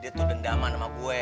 dia tuh dendaman sama gue